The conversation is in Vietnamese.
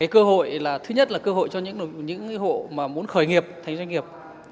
cơ hội là thứ nhất là cơ hội cho những hộ mà muốn khởi nghiệp thành doanh nghiệp